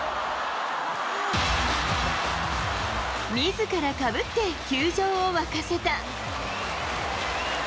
みずからかぶって、球場を沸かせた。